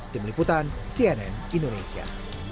di meliputan cnn indonesia